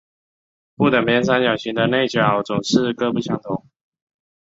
不等边三角形的内角总是各不相同。